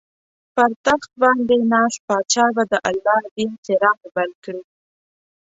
پر تخت باندې ناست پاچا به د الله دین څراغ بل کړي.